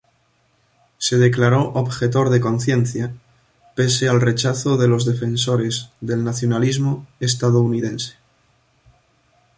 Se declaró objetor de conciencia, pese al rechazo de los defensores del nacionalismo estadounidense.